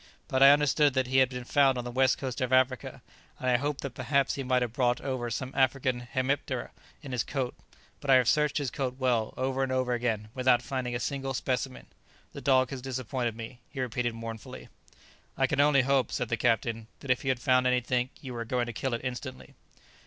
"But I understood that he had been found on the West Coast of Africa, and I hoped that perhaps he might have brought over some African hemiptera in his coat; but I have searched his coat well, over and over again, without finding a single specimen. The dog has disappointed me," he repeated mournfully. "I can only hope," said the captain, "that if you had found anything, you were going to kill it instantly."